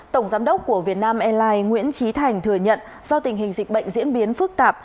tổng giám đốc của việt nam airlines nguyễn trí thành thừa nhận do tình hình dịch bệnh diễn biến phức tạp